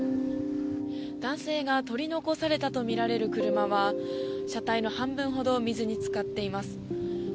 男性が取り残されたとみられる車は車体の半分ほど水につかっています。